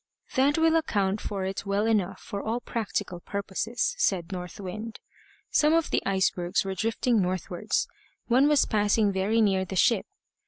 "That will account for it well enough for all practical purposes," said North Wind. Some of the icebergs were drifting northwards; one was passing very near the ship.